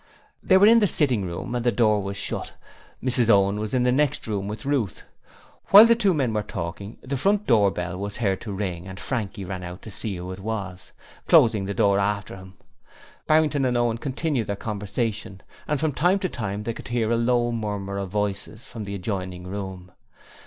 They were in the sitting room and the door was shut. Mrs Owen was in the next room with Ruth. While the two men were talking the front door bell was heard to ring and Frankie ran out to see who it was, closing the door after him. Barrington and Owen continued their conversation, and from time to time they could hear a low murmur of voices from the adjoining room.